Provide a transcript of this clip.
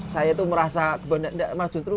saya itu merasa kebanak kebanak